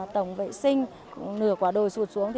tổng vệ sinh nửa quả đồi sụt xuống